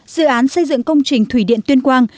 dự án xây dựng công trình thủy điện tuyên quang